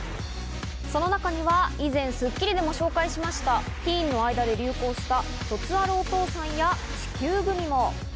その中には以前『スッキリ』でも紹介しましたティーンの間で流行した卒アルお父さんや地球グミも。